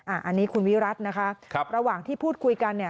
อันนี้คุณวิรัตินะคะระหว่างที่พูดคุยกันเนี่ย